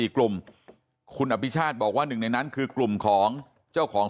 กลุ่มคุณอภิชาติบอกว่าหนึ่งในนั้นคือกลุ่มของเจ้าของ